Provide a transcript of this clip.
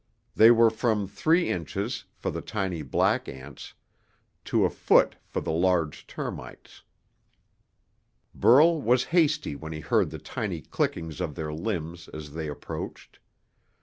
They were from three inches, for the tiny black ants, to a foot for the large termites. Burl was hasty when he heard the tiny clickings of their limbs as they approached.